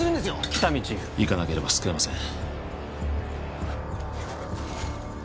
喜多見チーフ行かなければ救えません